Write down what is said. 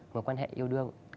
một quan hệ yêu đương